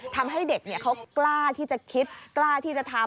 ทำให้เด็กเขากล้าที่จะคิดกล้าที่จะทำ